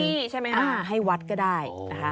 ซื้อที่ใช่ไหมคะอ้าวให้วัดก็ได้